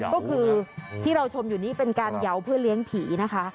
ก็คือที่เราชมอยู่นี้เป็นการเหยาเพื่อเลี้ยงผีนะคะ